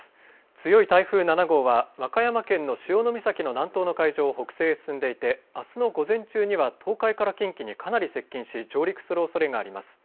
強い台風７号は和歌山県の潮岬の南東の海上を北西へ進んでいてあすの午前中には東海から近畿にかなり接近し上陸するおそれがあります。